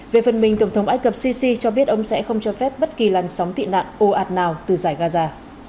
về phần mình tổng thống ai cập sisi cho biết ông sẽ không cho phép bất kỳ làn sóng tị nạn ô ạt nào từ giải gaza